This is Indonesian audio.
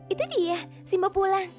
itu dia si mbok pulang